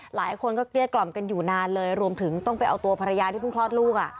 หลายคนก็เกลี้ยกล่อมกันอยู่นานเลยรวมถึงต้องไปเอาตัวภรรยาที่เพิ่งคลอดลูก